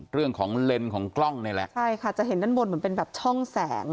เรื่องของเลนส์ของกล้องนี่แหละใช่ค่ะจะเห็นด้านบนเหมือนเป็นแบบช่องแสง